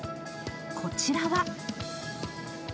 こちらは。